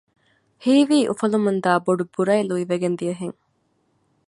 ހީވީ އުފުލަމުންދާ ބޮޑު ބުރައެއް ލުއިވެގެން ދިޔަ ހެން